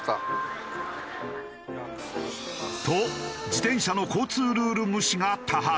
と自転車の交通ルール無視が多発。